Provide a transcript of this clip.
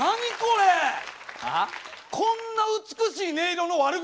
こんな美しい音色の悪口